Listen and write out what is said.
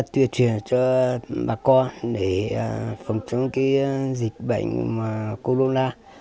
tuyên truyền cho bà con để phòng chống dịch bệnh corona